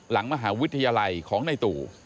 หลังมหาวิทยาลัยของในตู่